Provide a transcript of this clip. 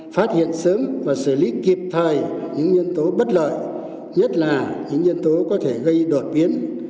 phát hiện sớm và xử lý kịp thời những nhân tố bất lợi nhất là những nhân tố có thể gây đột biến